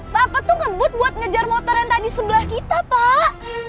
bapak tuh ngebut buat ngejar motor yang tadi sebelah kita pak